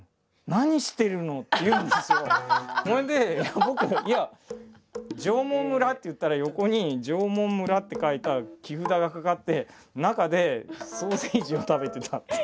それで僕「縄文村」って言ったら横に「縄文村」って書いた木札がかかって中でソーセージを食べてたっていう。